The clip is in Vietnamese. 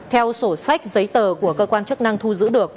theo sổ sách giấy tờ của cơ quan chức năng thu giữ được